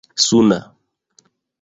suna